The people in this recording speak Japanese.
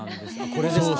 これですか。